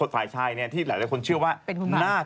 ฝ่ายชายที่หลายคนเชื่อว่า